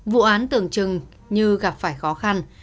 vụ án tưởng chừng như gặp phải khó khăn